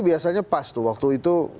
biasanya pas tuh waktu itu